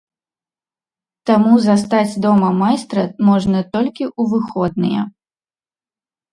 Таму застаць дома майстра можна толькі ў выходныя.